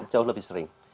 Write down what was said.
jauh lebih sering